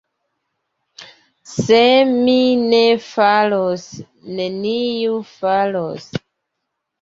Se mi ne faros, neniu faros.